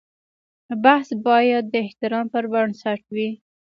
بحث باید د احترام پر بنسټ وي.